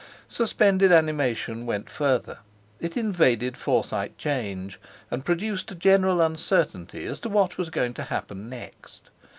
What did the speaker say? Suspended animation went further; it invaded Forsyte 'Change, and produced a general uncertainty as to what was going to happen next.